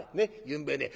ゆんべね